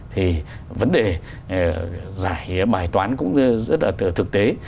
thì vấn đề giải bài toán cũng rất là thực tế